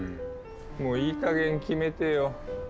もういいかげん決めてよ。